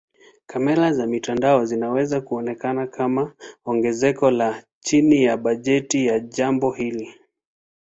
Kamera za mtandao zinaweza kuonekana kama ongezeko ya chini ya bajeti ya jambo hili.